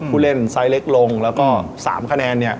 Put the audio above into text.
ผู้เล่นไซส์เล็กลงแล้วก็๓คะแนนเนี่ย